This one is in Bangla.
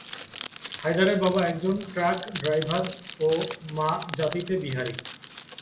হায়দারের বাবা একজন ট্রাক ড্রাইভার ও মা জাতিতে বিহারি।